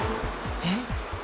えっ？